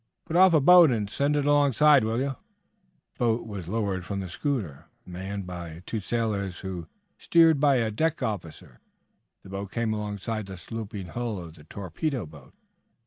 "Put off a boat and send it alongside, will you?" In a trice a boat was lowered from the schooner. Manned by two sailors and steered by a deck officer, the boat came alongside the sloping hull of the torpedo boat.